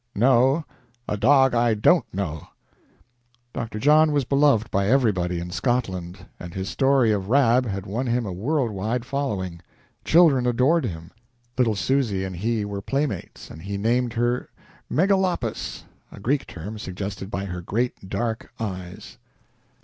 "No, a dog I don't know." Dr. John was beloved by everybody in Scotland, and his story of "Rab" had won him a world wide following. Children adored him. Little Susy and he were playmates, and he named her "Megalopis," a Greek term, suggested by her great, dark eyes.